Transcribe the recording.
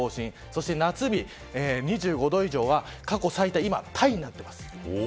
そして夏日、２５度以上は過去最多今、タイになっています。